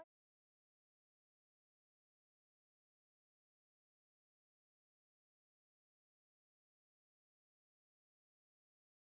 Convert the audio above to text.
otherwise ada yang ngedas separated set elangnya